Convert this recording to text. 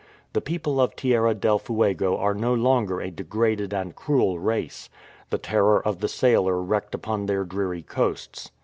The people of Tierra del Fuego are no longer a degraded and cruel race, the terror of the sailor wrecked upon their dreary coasts.